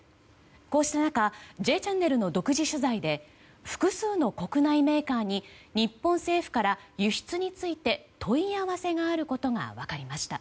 こうした中「Ｊチャンネル」の独自取材で複数の国内メーカーに日本政府から輸出について問い合わせがあることが分かりました。